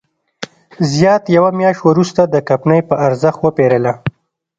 زیات یوه میاشت وروسته د کمپنۍ په ارزښت وپېرله.